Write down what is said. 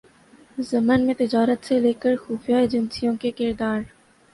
ضمن میں تجارت سے لے کرخفیہ ایجنسیوں کے کردار